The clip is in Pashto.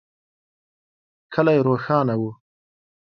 کلی روښانه و.